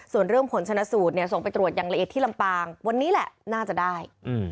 ส่วนเรื่องผลชนะสูตรส่งไปตรวจอย่างละเอียดที่ลำปางวันนี้แหละน่าจะได้